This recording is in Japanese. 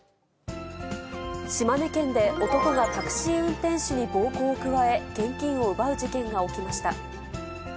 島根県で男がタクシー運転手に暴行を加え、現金を奪う事件が起きました。